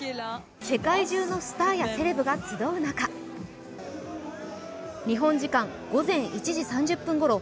世界中のスターやセレブが集う中日本時間午前１時３０分ごろ